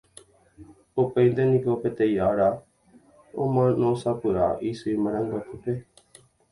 Upéinte niko, peteĩ ára, omanósapy'a isy marangatuete.